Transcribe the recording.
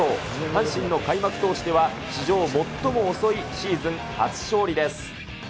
阪神の開幕投手では史上最も遅いシーズン初勝利です。